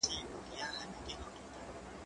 هغه څوک چي پاکوالی کوي منظم وي،